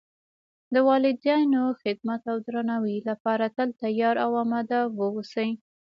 د والدینو خدمت او درناوۍ لپاره تل تیار او آماده و اوسئ